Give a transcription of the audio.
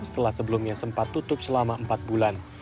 setelah sebelumnya sempat tutup selama empat bulan